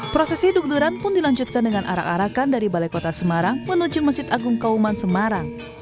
prosesi duk duran pun dilanjutkan dengan arak arakan dari balai kota semarang menuju masjid agung kauman semarang